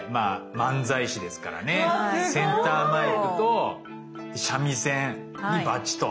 漫才師ですからねセンターマイクと三味線にばちと。